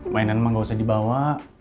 mainan mah gak usah dibawa